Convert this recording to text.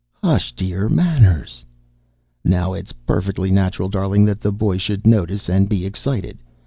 "Hush, dear. Manners." "Now it's perfectly natural, darling, that the boy should notice and be excited.